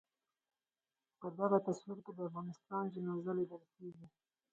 په دغه تصویر کې د افغانستان جنازه لیدل کېږي.